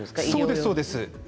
そうです、そうです。